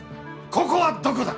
ここはどこだ？